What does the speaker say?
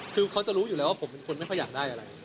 คือเขาจะรู้อยู่แล้วว่าผมเป็นคนไม่ค่อยอยากได้อะไร